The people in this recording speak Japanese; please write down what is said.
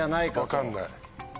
分かんない。